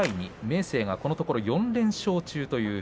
明生がこのところ４連勝中という